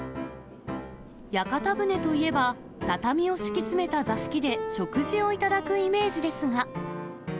屋形船といえば、畳を敷き詰めた座敷で食事を頂くイメージですが。